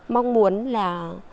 mong muốn là